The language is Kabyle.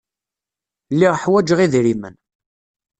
Lliɣ ḥwajeɣ idrimen.